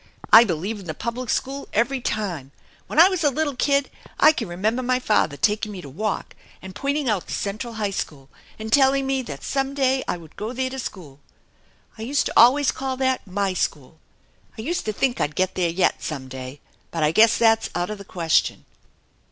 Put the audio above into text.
"I believe in the public school every time ! When I was a little kid I can re member my father taking me to walk and pointing out the Central High School, and veiling me thp.t some day I would go there to school. I used to always call that 'my school.' I used to think I'd get there yet, some day, but I guess that's out of the question."